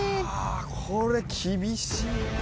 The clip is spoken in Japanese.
これ、厳しい。